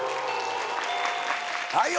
はいよ。